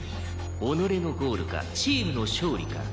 「己のゴールかチームの勝利か」